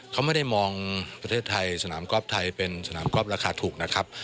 เขาไม่ได้มองประเทศไทยสนามกอล์ฟไทยเป็นสนามกอล์ราคาถูกนะครับ